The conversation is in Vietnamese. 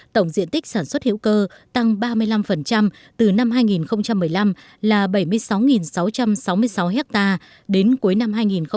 tổng diện tích sản xuất hữu cơ tăng ba mươi năm từ năm hai nghìn một mươi năm là bảy mươi sáu sáu trăm sáu mươi sáu hectare đến cuối năm hai nghìn một mươi bảy